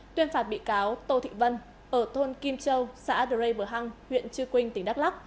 tuyên phạt bị cáo tô thị vân ở thôn kim châu xã đờ rê bờ hăng huyện chư quynh tỉnh đắk lắk